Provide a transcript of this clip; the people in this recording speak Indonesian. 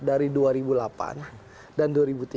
dari dua ribu delapan dan dua ribu tiga belas